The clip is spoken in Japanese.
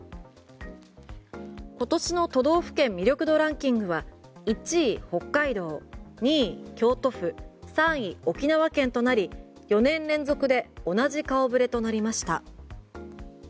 今年の都道府県魅力度ランキングは１位、北海道２位、京都府３位、沖縄県となり４年連続で同じ顔触れとなりました。